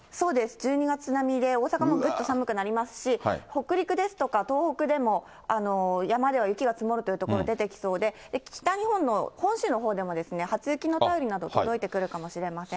１２月並みで、大阪もぐっと寒くなりますし、北陸ですとか東北でも山では雪が積もるという所、出てきそうで、北日本の本州のほうでも、初雪の便りなど、届いてくるかもしれません。